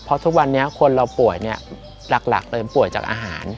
เพราะทุกวันนี้คนเราป่วยเนี่ยหลักเลยป่วยจากอาหาร